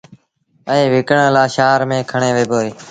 ائيٚݩ وڪڻڻ لآ شآهر ميݩ کڻي وهيٚبو اهي